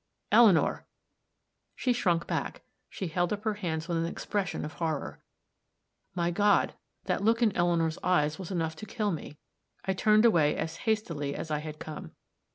"Eleanor!" She shrunk back; she held up her hands with an expression of horror. My God! that look in Eleanor's eyes was enough to kill me. I turned away as hastily as I had come.